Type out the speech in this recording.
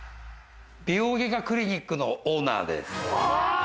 美容外科クリニックのオーナーです。